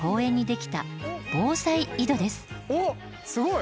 おっすごい！